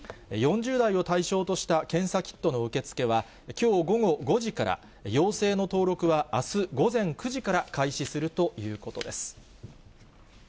４０代を対象とした検査キットの受け付けは、きょう午後５時から、陽性の登録はあす午前９時から開始するということです。